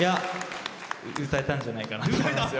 歌えたんじゃないかなと思います。